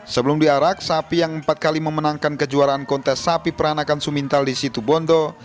sebelum diarak sapi yang empat kali memenangkan kejuaraan kontes sapi peranakan sumintal di situ bondo